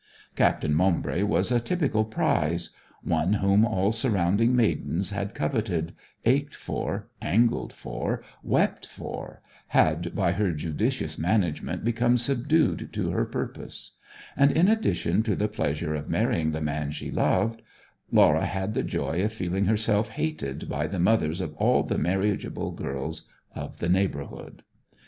Captain Maumbry was a typical prize; one whom all surrounding maidens had coveted, ached for, angled for, wept for, had by her judicious management become subdued to her purpose; and in addition to the pleasure of marrying the man she loved, Laura had the joy of feeling herself hated by the mothers of all the marriageable girls of the neighbourhood.